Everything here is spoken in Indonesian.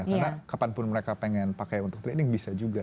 karena kapanpun mereka pengen pakai untuk trading bisa juga